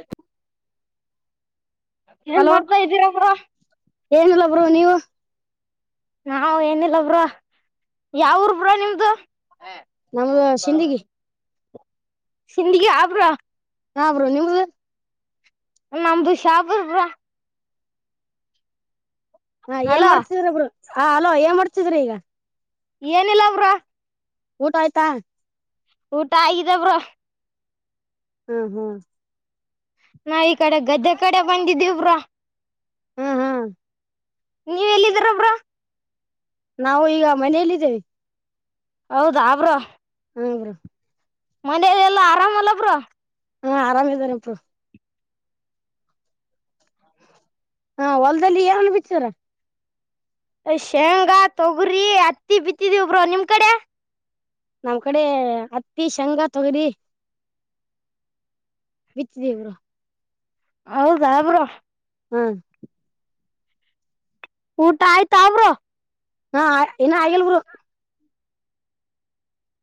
A ಏನ್ hello ಮಾಡ್ತಾ ಇದ್ದೀರಾ ಬ್ರೋ ಏನಲ್ಲ ಬರು ನೀವು ನಾವ್ ಏನಿಲ್ಲ ಬ್ರ ಯಾವ್ರ ಬ್ರ ನಿಮ್ದು ನಮ್ದ ಶಿಂದಗಿ ಸಿಿಂದಿಗೆ ಅವರ ಹಬ್ರು ನಿಮ ನಮ್ದುಷಾಬ್ರ ಹಾ ಏನ್ ಅಲೋ ಮಾಡ್ತಿದ್ರಿಬ್ರು ಹ ಅಲೋ ಏನ್ ಮಾಡ್ತಿದ್ರಿ ಈಗ ಏನಿಲ್ಲ ಅವ್ರ ಊಟ ಆಯ್ತಾ ಊಟ ಆಗಿದ ಬ್ರ ಹ್ಮ್ ಹ್ಮ್ ನಾ ಈ ಕಡೆ ಗದ್ದೆ ಕಡೆ ಬಂದಿದ್ದೇಬ್ರ ಹ್ಮ್ ಹ್ಮ್ ನೀವ ಎಲ್ಲಿದ್ದರಬ್ರ ನಾವು ಈಗ ಮನಲ್ಲಿದ್ದೇವೆ ಹೌದ್ರ ಹ್ರ ಮನಲೆ ಎಲ್ಲಾ ಆರಾಮಲ್ಲಬ್ರ ಹಾ ಆರಾಮ್ ಇದನೆಪರು ಹಾ ಹೊಲ್ದಲ್ಲಿ ಏನನ್ ಬಿತಾರ ಶೇಂಗಾ ತೊಗರಿ ಹತ್ತಿ ಬಿತ್ತಿದಿವಬ್ರ ನಿಮ್ ಕಡೆ ನಮ್ ಕಡೆ ಹತ್ತಿ ಶಂಗಾ ತಗರಿಿ ಬಿಚ್ಚ ದೇವರು ಹೌದಾಬರು ಹ್ಮ ಊಟ ಆಯ್ತ ಅವ್ರ ಹಾ ಏನ ಆಗಲ್ರು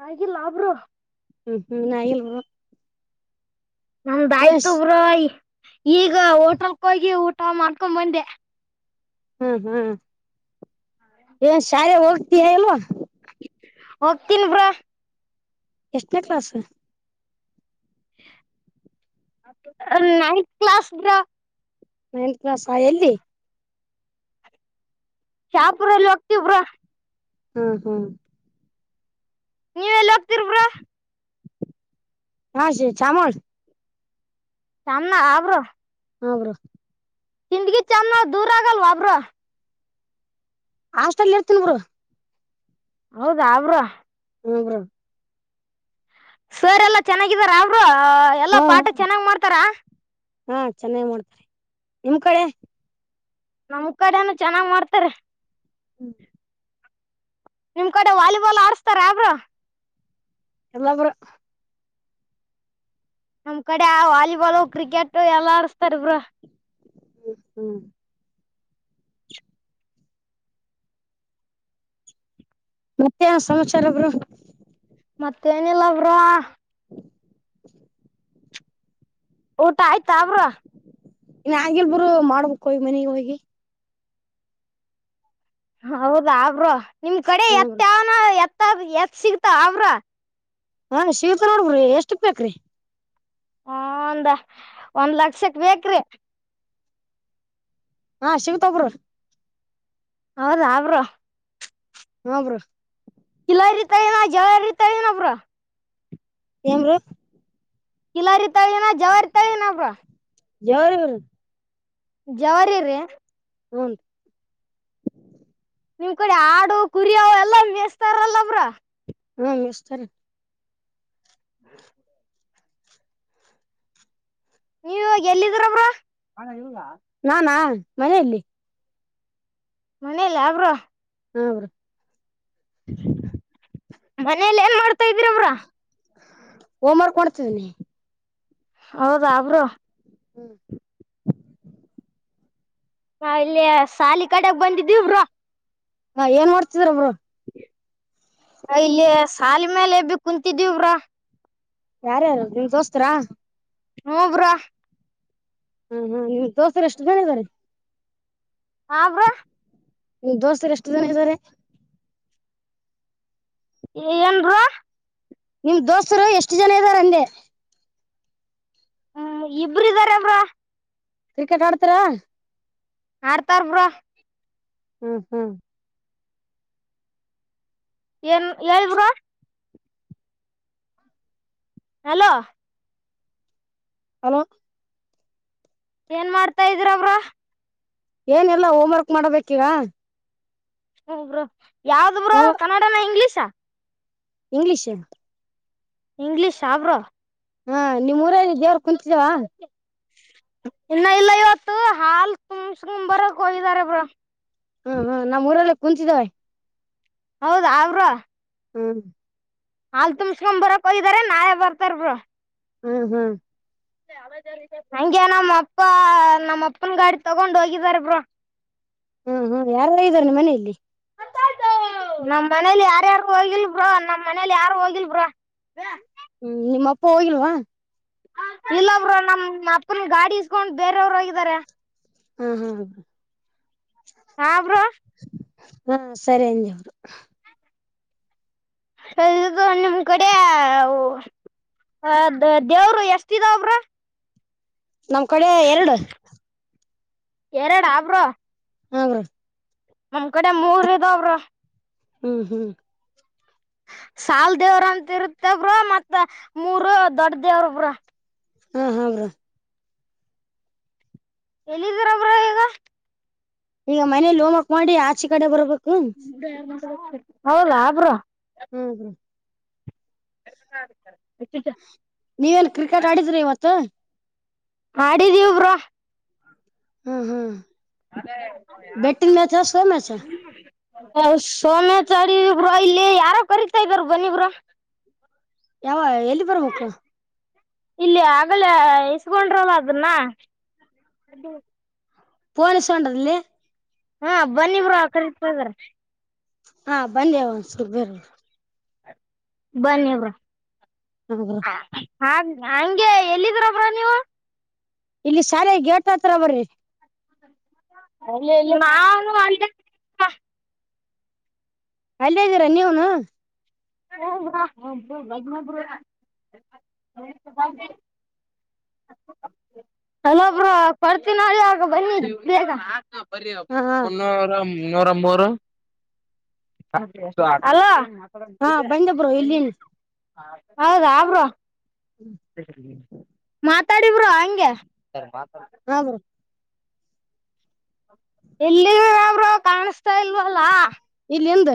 ಹಾಗಿಲ್ಲಾಬ್ರು ಹ್ಮ್ ಹ್ಮ್ ನಾ ಇಲ್ವಾ ನಮ್ದಾಯ್ತು ಬ್ರ ಈಗ ಹೋಟಲ್ಕ್ ಹೋಗಿ ಊಟ ಮಾಡ್ಕೊಂಡ ಬಂದೆ ಹ್ಮ್ ಹ್ಮ್ ಏನ್ ಶಾಲೆ ಹೋಗ್ತಿಯ ಅಲ್ವಾ ಒ ತಿನ್ ಪ್ರ ಎಷ್ಟನೇ ಕ್ಲಾಸ್ ನ ಕ್ಲಸ್ ನೈನ್ತ್ ಕ್ಲಾಸ್ ಎಲ್ಲಿ ಶಾಪುರ ಎಲ್ಲಿ ಹೋಗ್ತವ್ರಾ ಹ್ಮ್ ಹ್ಮ್ ನೀವಲ್ಲ ಹತ ಹಾ ಸ ಚಾಮಳ ಶಾಮ ನ ಅವ್ರ ಹರು ಹಿಂದ್ಗಿ ಚನ್ನ ದೂರ ಆಗಲ್ವಾಬ್ರ ಹಾಸ್ಟೆಲ್ ಇರ್ತನ್ ಬರು ಹೌದಾ ಅವರು ಹ್ಮ ಹ ಸರ್ ಎಲ್ಲಾ ಚೆನ್ನಾಗಿದಾರ ಅವರು ಎಲ್ಲಾ ಹಾ ಪಾಠ ಚೆನ್ನಾಗ್ ಮಾಡ್ತಾರ ಹಾ ಚೆನ್ನಾಗ್ ಮಾಡೋಡ್ತಾರೆ ನಿಮ್ ಕಡೆ ನಮ್ ಕಡೆನು ಚೆನ್ನಾಗ್ ಮಾಡ್ತಾರೆ ಹ್ಮ್ ನಿಮ್ ಕಡೆ ವಾಲಿಬಾಲ್ ಆರ್ಸ್ತಾರಬ್ರ ಎಲ್ಲರು ನಮ್ ಕಡೆ ಆ ವಾಲಿಬಾಲ್ ಕ್ರಿಕೆಟ್ ಎಲ್ಲಾ ಅರ್ಸ್ತಾರ್ಬ್ರ ಹ್ಮ ಹ್ಮ್ ಮತ್ತೆ ಸಮಾಚಾರ ಒಬ್ರು ಮತ್ತೇನಿಲ್ಲಬ್ರ ಊಟ ಆಯ್ತಾ ಅವ್ರ ಇನ್ ಹಾಗೆಲ್ಬರು ಮಾಡ್ಬೇಕು ಹೋಗಿ ಮನೆಗೆ ಹೋಗಿ ಹೌದಾ ಆ್ರ ನಿಮ್ ಕಡೆ ಹ ಬ್ರೋ ಎತ್ತ ಯಾವನ ಎತ್ತ ಎತ್ ಸಿಗ್ತ ಆ್ರ ಹಾ ಶಿವಕ ನೋಡ್ಬ್ರಿ ಎಷ್ಟಕ್ ಬೇಕ್ರಿ ಹ ಒಂದ ಒಂದ್ ಲಕ್ಷಕ್ ಬೇಕ್ರಿ ಹಾ ಶಿವತ್ೊಗರುೂರ್ ಹೌದಾ ಅವರು ಹಾ ಬ್ರ ಇಲ್ಲ ರೀತ ಏನ ಜಳ ರೀತ ಏನಬ್ರ ಎಮ್ರ ಕಿಲಾರಿತಾಳಏನ ಜವಾರಿತಳನಪ್ಪ ಯಾರವರು ಜವಾರಿ ರೀ ಹ್ಂ ನಿಮ್ ಕಡೆ ಆಡು ಕುರಿಯವು ಎಲ್ಲಾ ಮೇಸ್ತಾರಲ್ಲಬ್ರ ಹ್ಮ ಮಷ್ಟ್ತಾರೆ ಹ್ಮ ನೀವ ಎಲ್ಲಿದ್ರವ್ರ ನಾನಾ ಮನೆಯಲ್ಲಿ ಮನೆಯಲ್ಲ ಯಬ್್ರ ಹೌ್ರೀ ಮನೇಲ್ ಏನ್ ಮಾಡ್ತಾ ಇದಿರ ಬ್ರೋ. ಹೋಮ್ವರ್ಕ್ ಕೊಡ್ತಿದಿನಿ. ಹೌದಾ ಬ್ರೋ ಹ್ಮ್ ಹ ಇಲ್ಲಿ ಸಾಲಿ ಕಡೆಗ್ ಬಂದಿದ್ದೀವರು ಹಾ ಏನ್ ಮಾಡ್ತಿದ್ರಬ್ರು ಇಲ್ಲಿ ಶಾಲ ಮೇಲೆ ಬಿ ಕುಂತಿದವಿ ಇಬ್ರ ಯಾರ್ಯಾರು ನಿಮ್ ದೋಸ್ತರಾ ಹೂಬ್ರಾ ಹಾ ಹಾ ನೀವ್ ದೋಸರೆ ಎಷ್ಟು ಜನ ಇದ್ದಾರೆ ಹಾ ಬ್ರಾ ನಿ ದೋಸ್ತರು ಎಷ್ಟು ಜನ ಇದ್ದಾರೆ ಏ ಏನ್ ಬ್ರೋ ನಿಮ್ ದೋಸ್ತ್ರು ಎಷ್ಟು ಜನ ಇದ್ದಾರ್ ಅಂದೆ. ಹ್ಮ ಇಬ್ರ್ ಇದ್ದಾರೆ ಬ್ರೋ ಕ್ರಿಕೆಟ್ ಆಡ್ತೀರಾ ಆಡ್ತಾರ್ ಬ್ರೋ ಹ್ಮ್ ಹ್ಮ್ ಏನ್ ಎಳ್ ಬ್ರೋ ಹಲೋ ಹಲೋ ಏನ್ ಮಾಡ್ತಾ ಇದಿರ ಬ್ರೋ ಏನೆಲ್ಲ ಹೋಮ್ವರ್ಕ್ ಮಾಡಬೇಕೀಗ ಹ್ಮ್ ಬ್ರೋ ಯಾವ್ದ್ ಬ್ರೊ ಕನ್ನಡನ ಇಂಗ್ಲಿಷ. ಇಂಗ್ಲಿಷ ಇಂಗ್ಲಿಷ್ ಅ ಬ್ರೋ. ಹಾ ನಿಮ್ ಊರಗೇ ದೇವ್ರ್ ಕುಂತಿದಾವ. ಇನ್ನ ಇಲ್ಲ ಇವತ್ತು ಹಾಲ್ ತುಸ್ಕಂಬರಕ್ ಹೋಗಾರೆ ಬ್ರೊ. ಹಾ ಹ ನಮ್ಮ್ ಊರಲ್ಲೆ ಕುಂತಿದಾವೆ. ಹೌದ ಬ್ರೋ ಹ್ಮ್ ಹಾಲ್ ತುಂಬ್ಸ್ಕೊಂಬರಕ್ ಹೋಗಿದಾರೆ ನಾಳೆ ಬರ್ತಾರ್ ಬ್ರೋ. ಹ್ಮ್ ಹ್ಮ್ ಹಂಗೆ ನಮ್ ಅಪ್ಪ ನಮ್ಮಪ್ಪನ್ ಗಾಡಿ ತಗೊಂಡ್ ಹೋಗಿದಾರೆ ಬ್ರೋ. ಹ್ಮ ಹ್ಮ ಯಾರಲ್ಲ ಇದ್ದಾರೆ ನಿಮ್ ಮನೆಯಲ್ಲಿ. ನಮ್ಮ್ ಮನೇಲಿ ಯಾರ್ಯಾರ್ ಹೋಗಿಲ್ ಬ್ರೋ ನಮ್ಮ್ ಮನೇಲಿ ಯಾರು ಹೋಗಿಲ್ ಬ್ರೋ. ಹ್ಮ್ ನಿಮ್ ಅಪ್ಪ ಹೋಗಿಲ್ವಾ, ಇಲ್ಲ ಬ್ರೊ ನಮ್ ಅಪ್ಪನ್ ಗಾಡಿ ಇಸ್ಕೊಂಡ್ ಬೇರೆ ಅವ್ರ್ ಹೋಗಿದಾರೆ. ಹಾ ಹಾ ಹ ಹಾ ಬ್ರೋ ಹಾ ಸರಿ ಅಂದ್ [unintelligible] ಎ ಇದು ನಿಮ್ ಕಡೆ ಯವ್ ಹ ದ ದೇವ್ರು ಎಷ್ಟಿದಾವ್ ಬ್ರೋ ನಮ್ ಕಡೆ ಎರಡು. ಎರಡಾ ಬ್ರೋ ಹ ಬ್ರೋ ನಮ್ ಕಡೆ ಮೂರ್ ಇದಾವ್ ಬ್ರೋ. ಹ್ಮ್ ಹ್ಮ್ ಸಾಲ್ ದೇವ್ರ್ ಅಂತಿರುತ್ತ ಬ್ರೋ ಮತ್ತ ಮೂರು ದೊಡ್ ದೇವ್ರು ಬ್ರೋ. ಹಾ ಹ ಬ್ರೋ ಎಲ್ಲಿದೀರ ಬ್ರೋ ಈಗ, ಈಗ ಮನೇಲಿ ಹೋಮ್ವರ್ಕ್ ಮಾಡಿ ಆಚೆ ಕಡೆ ಬರ್ಬೇಕು. [unintelligible] ಹೌಲಾ ಬ್ರೋ ಹ್ಮ್ ಹ್ಮ್. [unintelligible] ನೀವೆನ್ ಕ್ರಿಕೆಟ್ ಆಡಿದ್ರಿ ಇವತ್ತು, ಮಾಡಿದೀವ್ ಬ್ರೊ ಹ್ಮ್ ಹ್ಮ್ [unintelligible] ಬೆಟ್ಟಿನ ಮ್ಯಾಚ್ ಸ್ಲೋ ಮ್ಯಾಚ್ ಸೋಮ್ಯಾ ಚರೀ ಬ್ರೊ ಇಲ್ಲಿ ಯಾರೊ ಕರೀತಾ ಇದಾರ್ ಬನ್ನಿ ಬ್ರೋ. ಯಾವ ಎಲ್ಲಿ ಬರ್ಬೇಕು ಇಲ್ಲಿ ಆಗಲೇ ಇಸ್ಕೊಂಡ್ರಲ್ಲ ಅದನ್ನ. ಪೋನ್ ಈಸ್ಕೊಂಡ್ರೇಲ್ಲಿ. ಹಾ ಬನ್ನಿ ಬ್ರೋ ಕರಿತಿದರೆ. ಹಾ ಬಂದಿ ಒಂದಸ ಬೇರು. ಬನ್ನಿ ಬ್ರೋ ಹಾ ಬ್ರೋ ಹಾಗ. ಹಂಗೆ ಎಲ್ಲಿದಿರಿ ಬ್ರೋ ನೀವು. ಇಲ್ಲಿ ಶಾಲೆ ಗೇಟ್ಟ್ಹತ್ರ ಬರ್ರಿ. ಅಲ್ಲೆ ಅಲ್ಲೆ ನಾನು ಅಲ್ಲೇ ನಿಂತೇನ. ಅಲ್ಲೇದೀರಾ ನೀವುನು. ಹ [unintelligible] [inaudible] ಹಲೊ ಬ್ರೋ ಪಾರ್ಚಿನಳಿ ಆಗ ಬನ್ನಿ ಬೇಗ. ಬರಿಮ್ಮ ಹಾ ಹಾ ಮುನ್ನೂರ ನೂರ ಮೂರು. ಹಲೋ. ಬಂದ ಬ್ರೋ ಇಲ್ಲಿನ್. ಹೌದಾ ಬ್ರೋ. [inaudible] ತಡಿ ಬ್ರೋ ಹಂಗೇ. ಹಾ ಬ್ರೋ ಎಲ್ಲಿದಿರ ಬ್ರೋ ಕ್ಯಾನಸ್ತ ಇಲ್ಲವಲ್ಲ. ಇಲ್ಲಿ ಹಿಂದ.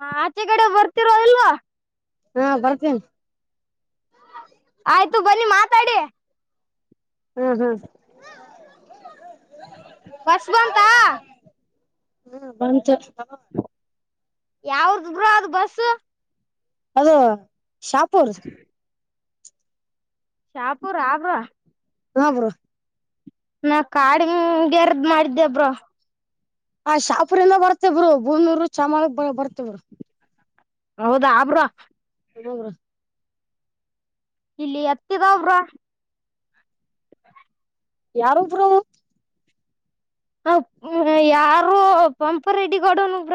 ಹಾ ಅಚ್ಚಿಕಡೆ ಬರ್ತೀರಿ ಇಲ್ಲವೋ. ಹಾ ಬರ್ತೇನಿ. ಆಯ್ತು ಬನ್ನಿ ಮಾತ್. ಹ್ಮ್ ಹ್ಮ್. [inaudible] ಬಸ್ ಬಂತಾ. ಹ್ಮ್ ಬಂತು. ಯಾವುರ್ದ ಬ್ರೋ ಅದ ಬಸ್ಸು. ಅದು ಶಾಪೂರ್. ಶಾಪೂರ ಆ ಬ್ರೋ. ಹ ಬ್ರೋ. ನಾ ಕಾಡಗೆರ್ದ ಮಾಡಿದ್ದೆ ಬ್ರೋ. ಹ ಶಾಪುರಿಂದ ಬರತ್ತೆ ಬ್ರೋ ಬೂನೂರು ಚಾಮಳಕ್ ಬರ್ತ ಬ್ರೋ. ಹೌದಾ ಬ್ರೋ. Hello bro. ಇಲ್ಲಿ ಎತ್ತಿದಾವ್ ಬ್ರೋ. ಯಾರೊ ಬ್ರೋ. ಹ ಯಾರು ಪಂಪ ರೆಡಿ ಕೊಡೋನಗ್ರ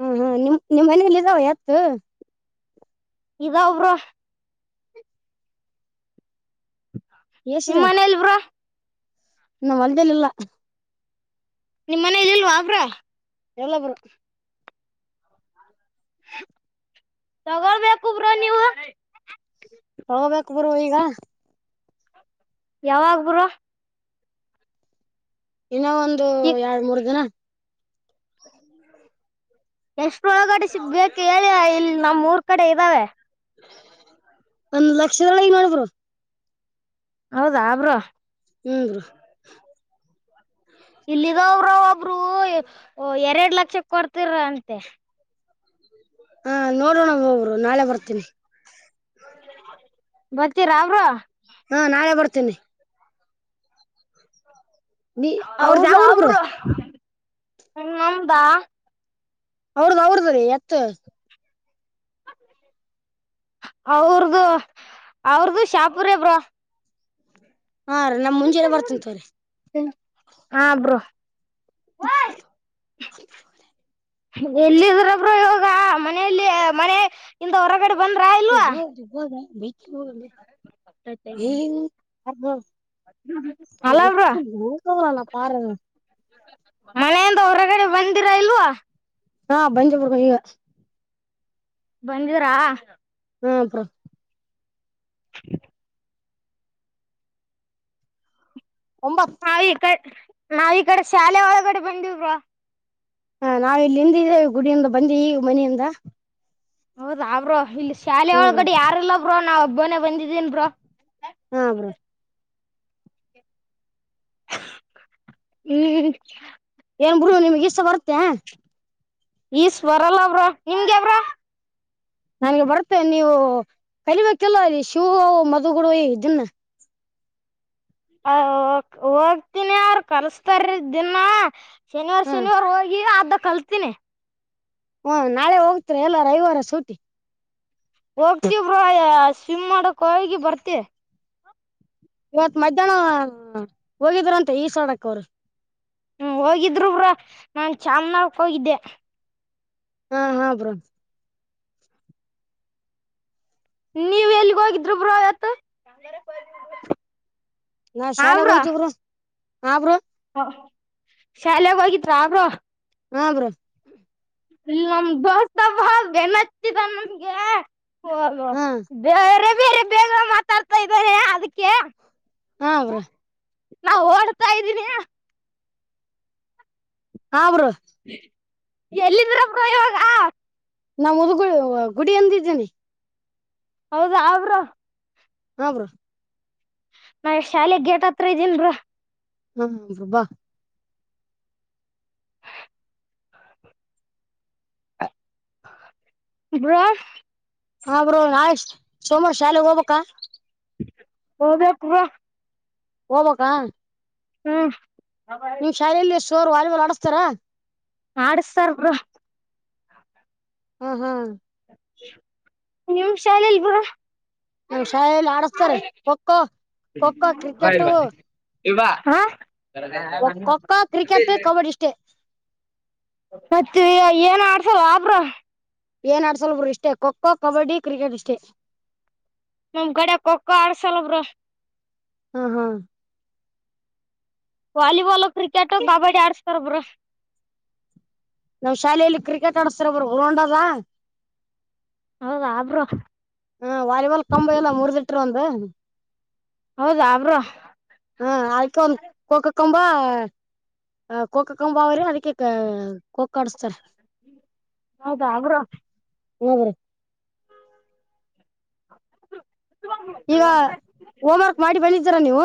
ಹಾ ಹಾ ನಿಮ್ ನಿಮ್ಮ್ ಮನೇೆಯಲ್ಲಿ ಇದ್ದಾವ ಎತ್ತ. ಇದಾವ ಬ್ರೋ. ನಿಮ್ಮ ಮನೇಲ್ ಬ್ರೋ. ನ ಹೊಲ್ದೆೇಲಿಲ್ಲ. ನಿಮಮ್ಮನ ಇಲ್ಲಲ್ವಾಾಬ್ರೋ ಎಲ ಬರತೆ ತಗೊಳ್ಬೇಕುಬ್ರ ನೀವು ಹೋಗ್ಬೇಕಕ್ ಬುರು ಈಗ ಯಾವಾಗಬ್ರೋ. ಇನ್ನ ಒಂದು ಈ ಎರಡ್ ಮೂರ್ ದಿನ. ಎಷ್ಟು ಒಳಗಡೆ ಸಿಗ್ಬೇಕು ಹೇಳಿ ಇಲ್ಲಿ ನಮ್ಮ್ ಊರ್ ಕಡೆ ಇದ್ದಾವೆ. ಒಂದ ಲಕ್ಷದೊಲೀ ಗ ಬ್ರೋ. ಹೌದಾ ಬ್ರೋ. ಹ್ಮ. ಇಲ್ಲಿ ಇದರೋ ಒಬ್ರು ಎರಡ್ ಲಕ್ಷ ಕೊಡ್ತಿರ ಅಂತೆ. ಹಾ ನೋಡೋಣ ಬ್ರೋ ನಾಳೆ ಬರ್ತೀನಿ. ಬರ್ತೀರಾ ಬ್ರೋ. ಹಾ ನಾಳೆ ಬರ್ತೇನಿ. ನೀ ಅವ್ರದ್ ಹೌದ ಯಾವ ಅ ಊರ್ ಬ್ರೋ ಹ್ಮ ನಮ್ದ್ ಅವ್ರದ ಅವ್ರ್ದ ರೀ ಎತ್ ಅವ್ರದುು ಅವ್ರದುು ಶಾಪುರೇ ಬ್ರ ಹಾ ರ ನಮ್ ಮುಂಜೆನ ಬರ್ತನ್ತ್ವ್ರೀ ಹಾ ಬ್ರೊ ಆ ಅ ಎಲ್ಲಿದ್ರಬ್ರು ಯೋಗ ಮನೆಯಲ್ಲಿ ಮನೆ ಇಂತ ಹೊರಗಡೆ ಬಂದ್ರ ಇಲ್ವಾ ಹೋದು ಹೋದು ಬಿ ಹ ಅಲ್ಲ ಬ್ರೋ ಹ ಹ ಮಳೆಯಿಂದ ಹೊರಗಡೆ ಬಂದಿರ ಇಲ್ವಾ ಹಾ ಬಂದೆ ಬುರ್ಕ ಈಗ ಬಂದಿದರಾ ಹಾ ಬ್ರೋ ಹ್ಮ ಒಂಬತ್ ನಾವವು ಈ ಕ ನಾವ್ ಈ ಕಡೆ ಶಾಲೆ ಒಳಗಡೆ ಬಂದಿವ್ರ ಹಾ ನಾವಿಲ್ಲಿ ಎಂದಿದ್ದೇವೆ ಗುಡಿಯಿಂದ ಬಂದ ಈಗ ಮನೆಯಿಂದ ಹೌದ ಬ್ರೋ ಇಲ್ಲಿ ಶಾಲೆ ಹಾ ಬ್ರೋ ಒಳಗಡೆ ಯಾರಲ್ಲ ಬ್ರೋ ನಾವ್ ಹಬ್ಬನೇ ಬಂದಿದ್ದೀನ್ ಬ್ರ ಹಾ ಬ್ರ ಹ್ಮ್ ಏನ್ ಬ್ರೋ ನಿಮ್ಗೆ ಇಷ ಬರುತ್ತೆ ಈಸ್ ಬರಲ್ಲ ಬ್ರೋ ನಿಂಗಗೆವ್ರ ನನ್ಗೆ ಬರ್ತೆೇ ನೀವು ಕಲಿಬೇಕೆಲ್ಲ ಅ ಶಿವವು ಮಧು ಇದನ್ನ ಅ ಹೋಗ್ತೀಿನಿ ಅವರು ಕಲ್ಸ್ತಾರ ದಿನಾ ಶನಿವಾರ ಹ ಶನಿವಾರ ಹೋಗಿ ಅ ಕಲ್ತೀಿನಿ ಹಾ ನಾಳೆ ಹೋಗ್ತೀರಿ ಎಲ್ಲ ರವಿವಾರ ಸೂಟಿ ಹೋಗ್ತವ್ರ ಸ್ವಿಮ್ ಮಾಡಕ್ ಹಗಿ ಬರ್ತೆ ಇವತ್ ಮಧ್ಯಾಹ್ನ ಹೋಗಿದ್್ರಂತೆ ಈ ಸಡಕ್ ಅವರು ಹ್ಮ ಹೋಗಿದ್ರು ಬ್ರ ನಾನ್ ಚಾಮನಕ್ ಹೋಗಿದ್ದೆ ಹಾ ಹಾ ಬ್ರೋ ನೀವ್ ಎಲ್ಲಿಗೋಗಿದ್ರು ಬ್ರೋ ಯತ್ತು ನಾ ಶಾಲೆಗೆ ಹಯ್ದವರು ಹಾ ಬರು ಶಾಲೆಾಗ ಹೋಗಿದ ಅವರು ಹಾ ಬ್ರ ನಮ್ ಬಸ ಏನ್ ಹಚ್ಚಿದ ನಮ್ಗೆ ಹದ ಹಾ ಬೇರೆ ಬೇರೆ ಬೇ ಮಾತಾಡ್ತಾ ಇದ್ದಾರೆ ಅದಕ್ಕೆ ಹಾ ಅವ್ರೀ ನಾ ಓಡ್ತಾ ಇದ್ದೀನಯ ಹರು ಎಲ್ಲಿದ್ರಗ ಇವಾಗ ನಾ ಮುದುಗ ಗುಡಿ ಅಂದಿದ್ದೀನಿ ಹೌದಾ ಅವರು ಹ್ರ ನಾ ಶಾಲೆೆಗೆಗ್ ಗೇಟ್ ಹತ್ರ ಇದ್ದೀನ್ರ ಹ್ಮ್ ಹಬಾ ಬ್ರ ಹಾ ಬ್ರೋ ನಾಯ್ ಸೋಮಣ ಶಾಲೆಗೆಗ್ ಹೋಗಬ ಹೌದ ಪವಾ ಮಕ್ಕ ಹ್ಮ್ ನಿಮ್ ಶಾಲೆಯಲ್ಲಿ ಸೋರ್ ವಾಲಿಬಾಲ್ ಆಡಸ್ತಾರಾ ಆಡ್ಸ್ತಾರ್ ಹ್ಮ ಹ್ಮ ನಿಮ್ ಶಾಲೆಲ್ ಬರ ನಮ್ಮ್ ಶಾಲೆಯಲ್ಲಿ ಆಡಸ್ತಾರೆ ಖೋಖೋ ಖೋಖೋ ಕ್ರಿಕೆಟು ಇ ಕ್ರಿಕೆಟ್ ಕಬಡ್ಡಿ ಇಷ್ಟೇ ಮತ್ತ ಏನ್ ಆಡ್ಸಲ್ ಆಬ್ರ ಏನ್ ಆಡ್ಸಲ್ವರು ಇಷ್ಟೇ ಖೋ ಖೋ ಕಬಡ್ಡಿ ಕ್ರಿಕೆಟ್ ಇಷ್ಟೇ ನಮ್ಗಡೆ ಖಖೋ ಆಡ್ಸಲಬ್ರ ಹ್ಮ ಹ್ಮ ವಾಲಿಬಾಲ್ ಕ್ರಿಕೆಟ್ ಕಬಡ್ಡಿ ಆಡಸ್ತಾರಬ್ರ ನಾವ್ ಶಾಲೆಯಲ್ಲಿ ಕ್ರಿಕೆಟ್ ಆಡಸ್ತರಬ್ರು ಗ್ರೌಂಡ್ ಅದ ಹೌದ ಆಬ್ರು ಹ್ಮ ವಾಲಿಬಾಲ್ ಕಂಬ ಇಲ್ಲ ಮೂರ್ ದಟ್ರ ಒಂದು ಹೌದಾ ಅವರು ಹಾ ಆಯ್ಕ ಒಂದ ಕೋಕ ಕಂಬ ಆ ಕೋಕ ಕಂಬ ಅವ್ರಿ ಅದಕ್ಕೆ ಕೋಕ ಆಡಸ್ತಾರ ಹೌದಾ ಅವರು ಹ ಬ್ರೀ ಈಗ ಹೋಮ್ವರ್ಕ್ ಮಾಡಿ ಬೆಳಿದ್ದೀರಾ ನೀವು